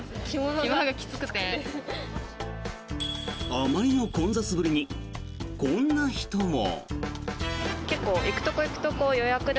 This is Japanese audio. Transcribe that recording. あまりの混雑ぶりにこんな人も。